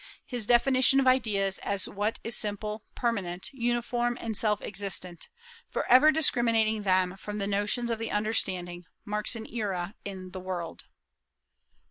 His definition of ideas as what is simple, permanent, uniform, and self existent, forever discriminating them from the notions of the understanding, marks an era in the world.